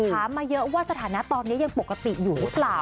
มาเยอะว่าสถานะตอนนี้ยังปกติอยู่หรือเปล่า